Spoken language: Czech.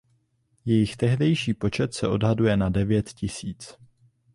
Jejich tehdejší počet se odhaduje na devět tisíc.